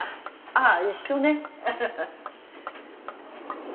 ああ一緒ね。